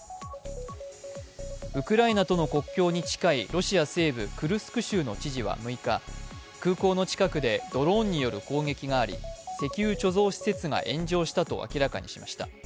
ウクライナとの国境に近いロシア西部クルスク州の知事は６日空港の近くでドローンによる攻撃があり石油貯蔵施設が炎上したと明らかにしました。